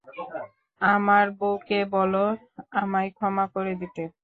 আমার বউকে বোলো আমায় ক্ষমা করে দিতে।